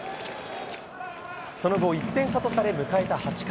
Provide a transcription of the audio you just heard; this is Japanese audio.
その後１点差とされ迎えた８回。